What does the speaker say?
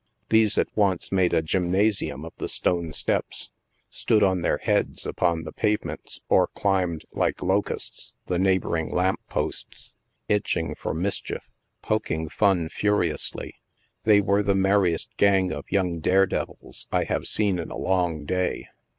These at once made a gymnasium of the stone steps — stood on their heads upon the pavements or climbed, like locusts, the neighbor ing lamp posts; itching for mischief ; poking fun furiously ; they were the merriest gang of young dare devils I have seen in a long day.